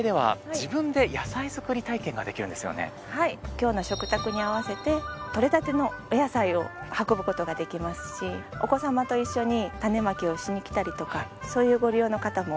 今日の食卓に合わせて取れたてのお野菜を運ぶことができますしお子さまと一緒に種まきをしに来たりとかそういうご利用の方も多いです。